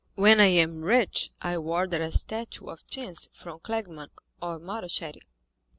When I am rich I will order a statue of Chance from Klagmann or Marochetti."